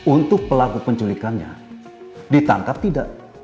untuk pelaku penculikannya ditangkap tidak